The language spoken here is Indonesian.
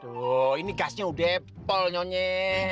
aduh ini gasnya udah epel nyonyet